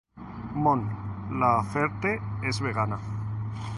Mon Laferte es vegana.